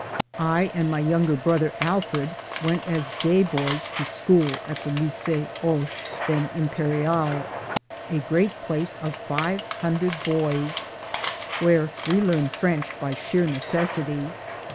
I and my younger brother, Alfred, went as day boys to school at the Lycee Hoche (then Imperiale) a great place of five hundred boys where we learned French by sheer necessity.